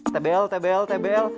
tebel tebel tebel